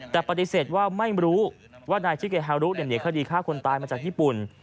แต่ปฏิเสธว่าไม่รู้ว่านายชิเกฮารุหนีคดีฆ่าคนตายมาจากญี่ปุ่น